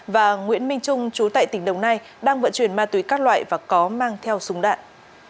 và nguyễn minh trung chú tại tỉnh đồng nai đang vận chuyển ma túy các loại và có mang theo súng đạn